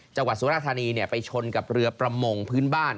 จังหวะสุราธานีฯไปชนกับเรือประมงศ์พื้นบ้าน